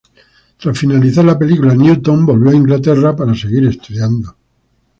Tras finalizar la película, Newton volvió a Inglaterra para seguir estudiando.